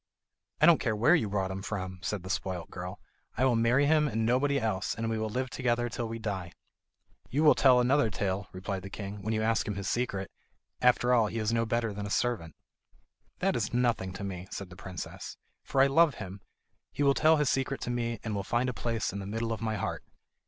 "I don't care where you brought him from," said the spoilt girl. "I will marry him and nobody else, and we will live together till we die." "You will tell another tale," replied the king, "when you ask him his secret. After all he is no better than a servant." "That is nothing to me," said the princess, "for I love him. He will tell his secret to me, and will find a place in the middle of my heart."